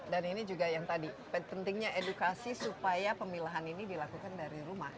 dan ini juga yang tadi pentingnya edukasi supaya pemilahan ini dilakukan dari rumah